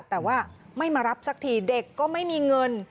แต่ว่าไม่มารับสักทีเด็กก็ไม่มีเงิน